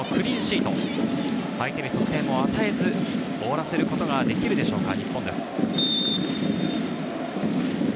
相手に得点を与えず、終わらせることができるでしょうか。